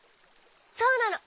そうなの。